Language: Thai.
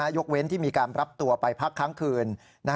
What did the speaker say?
ยกเว้นที่มีการรับตัวไปพักค้างคืน